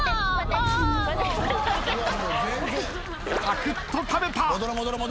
ぱくっと食べた。